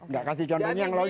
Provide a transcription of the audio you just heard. gak kasih contoh yang logik